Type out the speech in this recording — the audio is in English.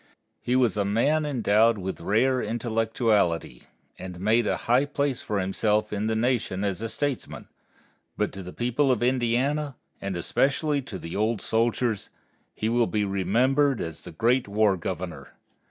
He was a man endowed with rare intellectuality, and made a high place for himself in the Nation as a statesman, but to the people of Indiana, and especially to the old soldiers, he will be remembered as the Great War Governor.